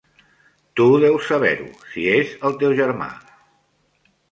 Tu deus saber-ho, si és el teu germà.